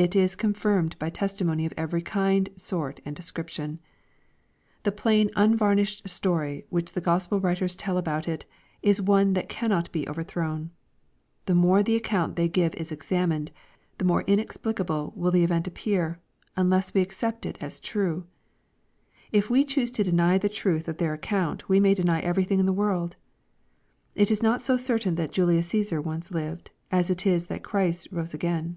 It is confirmed by testimony of every kind, sort, and description. The plain unvarnished story which the Gospel writers tell about it, is one that cannot be overthrown. The more the account they give is examined, the more inexplicable will the event appear, unless we accept it as true. If we choose to deny the truth of their account we may deny everything in the world. It is not so certain that Julius CaBsar once lived, as it is that Christ rose again.